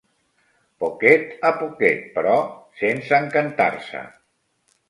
Poquet a poquet però... sense encantar-se.